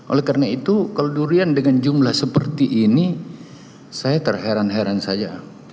oleh karena itu kalau durian dengan jumlah seperti ini saya terheran heran saja